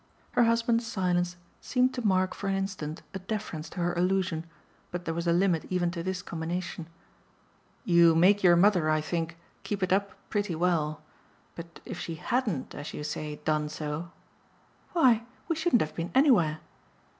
Her husband's silence seemed to mark for an instant a deference to her allusion, but there was a limit even to this combination. "You make your mother, I think, keep it up pretty well. But if she HADN'T as you say, done so ?" "Why we shouldn't have been anywhere."